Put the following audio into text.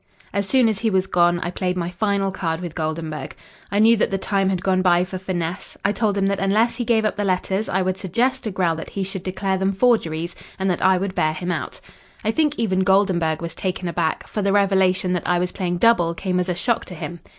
As soon as he was gone I played my final card with Goldenburg. I knew that the time had gone by for finesse; I told him that unless he gave up the letters I would suggest to Grell that he should declare them forgeries, and that I would bear him out. "I think even Goldenburg was taken aback, for the revelation that I was playing double came as a shock to him.